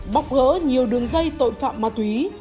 bóc gỡ nhiều đường dây tội phạm ma túy